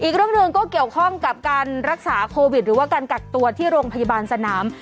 อีกเรื่องหนึ่งก็เกี่ยวข้องกับการรักษาโควิดหรือว่าการกักตัวที่โรงพยาบาลสนาม